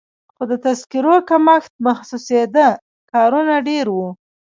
خو د تذکیرو کمښت محسوسېده، کارونه ډېر وو.